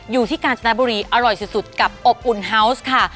กาญจนบุรีอร่อยสุดกับอบอุ่นฮาวส์ค่ะ